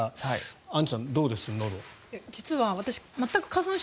アンジュさん、どうです？